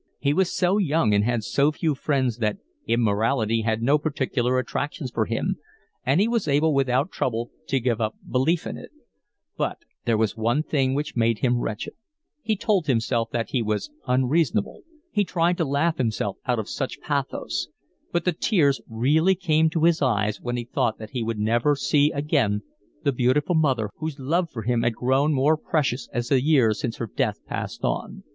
He was so young and had so few friends that immortality had no particular attractions for him, and he was able without trouble to give up belief in it; but there was one thing which made him wretched; he told himself that he was unreasonable, he tried to laugh himself out of such pathos; but the tears really came to his eyes when he thought that he would never see again the beautiful mother whose love for him had grown more precious as the years since her death passed on.